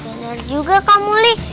iya benar juga kak muli